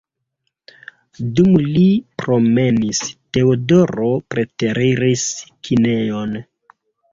Dum li promenis, Teodoro preteriris kinejon.